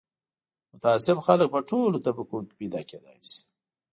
متعصب خلک په ټولو طبقو کې پیدا کېدای شي